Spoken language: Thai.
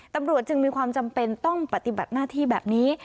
ตำรวจจึงมีความจำเป็นต้องปฏิบัติหน้าที่แบบนี้